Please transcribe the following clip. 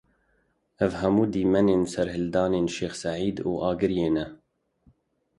Ev hemû dîmenên serhildanên Şêx Seîd û Agiriyê ne.